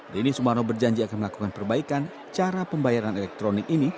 rini sumarno berjanji akan melakukan perbaikan cara pembayaran elektronik ini